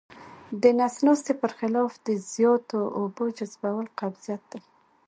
د نس ناستي پر خلاف د زیاتو اوبو جذبول قبضیت دی.